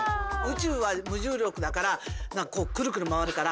宇宙は無重力だからクルクル回るから。